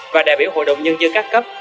và đại biểu hội đồng nhân dân các cấp